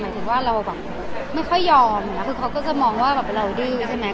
หมายถึงว่าเราแบบไม่ค่อยยอมคือเขาก็จะมองว่าแบบเราดึงใช่ไหม